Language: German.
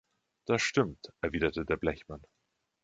„Das stimmt“, erwiderte der Blechmann.